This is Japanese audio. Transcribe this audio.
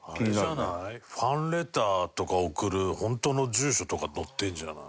ファンレターとか送る本当の住所とか載ってるんじゃない？